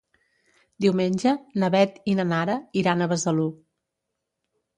Diumenge na Beth i na Nara iran a Besalú.